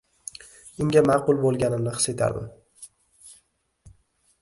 Unga ma’qul bo’lganimni his etardim.